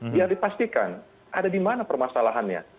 biar dipastikan ada di mana permasalahannya